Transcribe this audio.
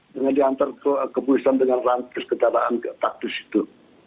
dengan diantar kepolisian dengan rantis kejaraan taktis itu